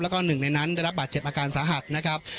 แล้วก็หนึ่งในนั้นได้รับบาดเจ็บอาการสาหัสนะครับ